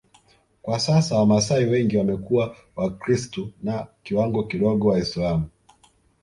Kwa sasa Wamasai wengi wamekuwa wakristu na kiwango kidogo Waislamu